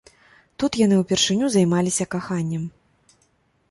Тут яны ўпершыню займаліся каханнем.